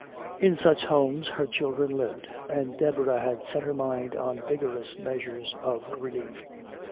In such homes her children lived. And Deborah had set her mind on vigorous measures of relief.